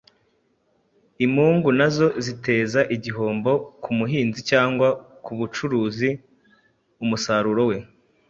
Imungu nazo ziteza igihombo ku muhinzi cyangwa ku ucuruza umusaruro we.